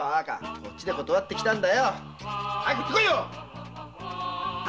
こっちで断って来たんだ！